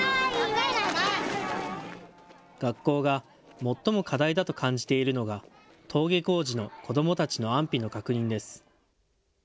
学校が最も課題だと感じているのが登下校時の子どもたちの安否の確認です。